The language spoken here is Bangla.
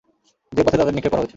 যে পথে তাদের নিক্ষেপ করা হয়েছে।